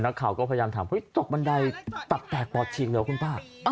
นักข่าวก็พยายามถามเฮ้ยตกบันไดตับแตกปอดฉีกเหรอคุณป้า